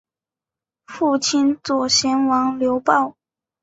父亲左贤王刘豹。